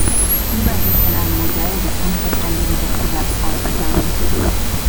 Hierbei wird von einem Modell des unvollständigen Wettbewerbs ausgegangen.